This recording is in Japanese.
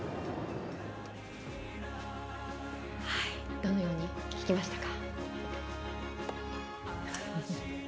どのように聞きましたか。